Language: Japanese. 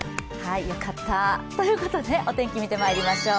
よかったということで、お天気見てまいりましょう。